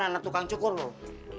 anak tukang cukur loh